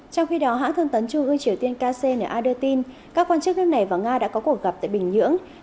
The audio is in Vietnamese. trong khi đó hãng thương tấn trung ưu triều tiên kc này đã đưa tin các quan chức nước này và nga đã có cuộc gặp tại bình nhưỡng